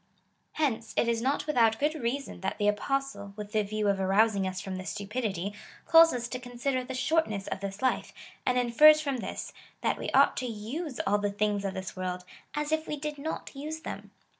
Hence, it is not without good reason, that the Apostle, with the view of arousing us from this stupidity, calls us to consider the shortness of this life, and infers from this, that we ought to use all the things of this world, as if we did not use them.